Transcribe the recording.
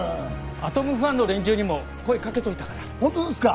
アトムファンの連中にも声かけといたからホントですか！？